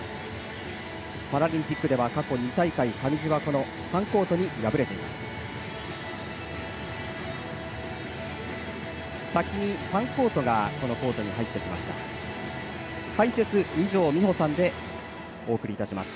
パラリンピックでは過去２大会上地はこのファンコートに敗れています。